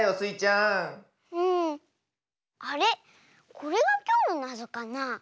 これがきょうのなぞかな。